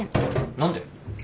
何で？